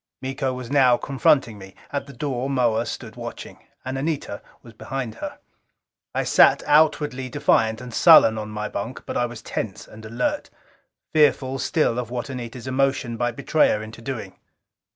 Miko was now confronting me: at the door Moa stood watching. And Anita was behind her. I sat outwardly defiant and sullen on my bunk. But I was tense and alert, fearful still of what Anita's emotion might betray her into doing.